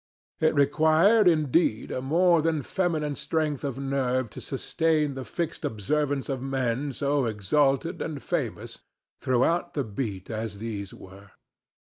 It required, indeed, a more than feminine strength of nerve to sustain the fixed observance of men so exalted and famous throughout the sect as these were.